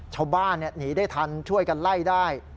ชาวบ้านหนีได้ทันช่วยกันไล่ได้